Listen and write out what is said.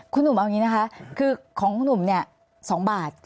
คุณหนุ่มเอาอย่างนี้นะคะคือของคุณหนุ่มเนี่ย๒บาท